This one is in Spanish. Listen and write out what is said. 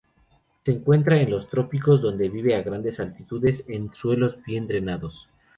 Se encuentra en los trópicos donde vive a grandes altitudes en suelos bien drenados.